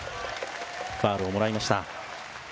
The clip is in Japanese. ファウルをもらいました。